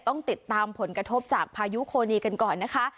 ต้องติดตามผลกระทบจากพายุโคนีกันก่อนนะคะ